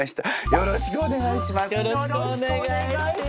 よろしくお願いします。